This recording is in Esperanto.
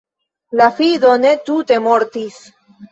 La fido ne tute mortis.